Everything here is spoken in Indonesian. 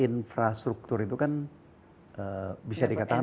infrastruktur itu kan bisa dikatakan